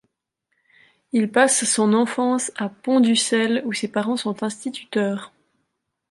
Il passe son enfance à Pont-d’Ucel ou ses parents sont instituteurs.